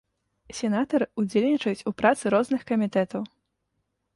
Сенатары ўдзельнічаюць у працы розных камітэтаў.